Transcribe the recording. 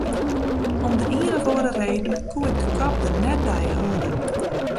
Om de ien of oare reden koe ik de kop der net by hâlde.